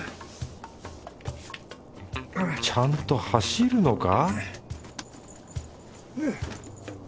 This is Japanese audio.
ちゃんと走るのか？